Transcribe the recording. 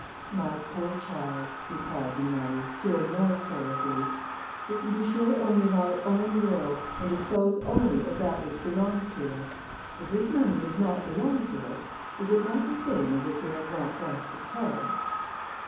"My poor child," replied her mother, still more sorrowfully, "we can be sure only of our own will, and dispose only of that which belongs to us. As this money does not belong to us, is it not the same as if we had not got it at all?"